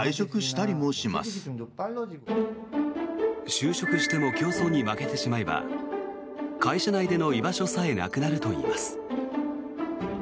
就職しても競争に負けてしまえば会社内での居場所さえなくなるといいます。